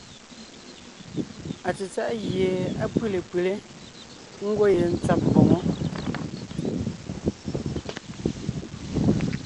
Atsetsáʼ gie á pʉ́le pʉlé, ńgwɔ́ yentsǎb mboŋó.